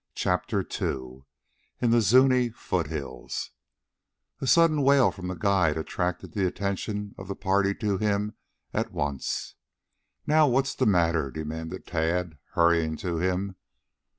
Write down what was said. CHAPTER II IN THE ZUNI FOOTHILLS A sudden wail from the guide attracted the attention of the party to him at once. "Now what's the matter?" demanded Tad, hurrying to him.